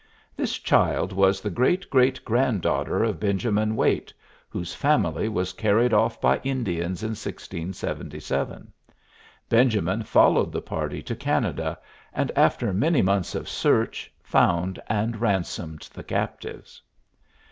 This child was the great great granddaughter of Benjamin Waite, whose family was carried off by Indians in 1677. Benjamin followed the party to Canada, and after many months of search found and ransomed the captives.